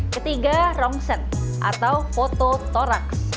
ketiga rongsen atau fototorax